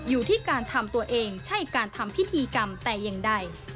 อยู่ที่การทำตัวเองใช่การทำพิธีกรรมแต่อย่างใด